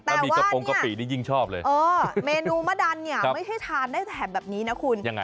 แต่ว่าเนี่ยเมนูมะดันเนี่ยไม่ใช่ทานได้แถมแบบนี้นะคุณ